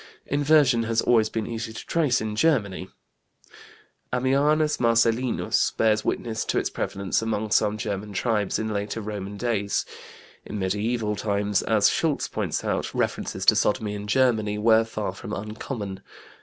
Inversion has always been easy to trace in Germany. Ammianus Marcellinus bears witness to its prevalence among some German tribes in later Roman days. In mediæval times, as Schultz points out, references to sodomy in Germany were far from uncommon.